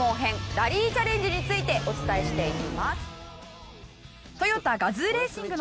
ラリーチャレンジについてお伝えしていきます。